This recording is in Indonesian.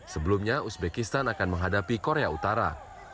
sebelumnya uzbekistan akan menghadapi korea utara